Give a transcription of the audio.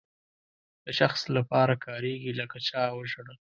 د شخص لپاره کاریږي لکه چا وژړل.